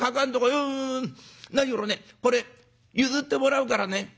「うんうんうん何しろねこれ譲ってもらうからね。